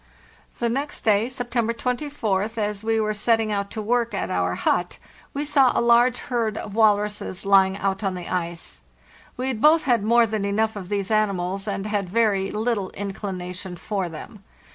The next day (September 24th), as we were setting out to work at our but, we saw a large herd of walruses lying out on the ice. We had both had more than enough of these animals, and had very little inclination for them.